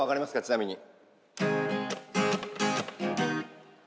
ちなみに。